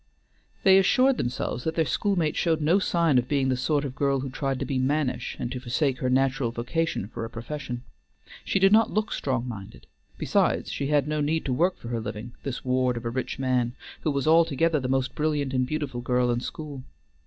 They assured themselves that their school mate showed no sign of being the sort of girl who tried to be mannish and to forsake her natural vocation for a profession. She did not look strong minded; besides she had no need to work for her living, this ward of a rich man, who was altogether the most brilliant and beautiful girl in school.